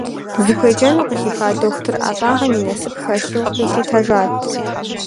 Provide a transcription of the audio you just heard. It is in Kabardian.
Зыхуеджэну къыхиха дохутыр ӏэщӏагъэм и насып хэлъу къилъытэжат.